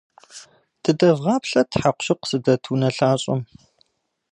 Дыдэвгъаплъэт хьэкъущыкъу зыдэт унэлъащӏэм.